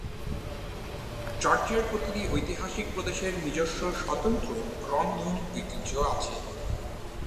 জর্জিয়ার প্রতিটি ঐতিহাসিক প্রদেশের নিজস্ব স্বতন্ত্র রন্ধন ঐতিহ্য আছে।